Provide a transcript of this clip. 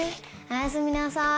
おやすみなさい。